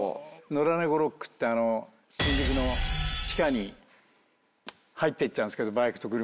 『野良猫ロック』って新宿の地下に入っていっちゃうんすけどバイクと車が。